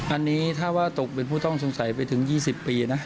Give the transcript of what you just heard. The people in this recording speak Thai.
อันนี้ถ้าว่าตกเป็นผู้ต้องสงสัยไปถึง๒๐ปีนะ